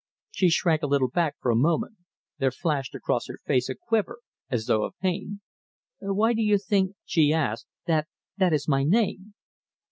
She shrank a little back for a moment. There flashed across her face a quiver, as though of pain. "Why do you think," she asked, "that that is my name?"